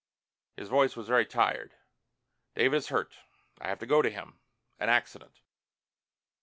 His voice was very tired. "David is hurt. I have to go to him. An accident."